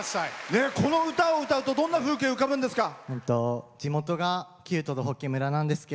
この歌を歌うとどんなふう形が浮かぶんですか？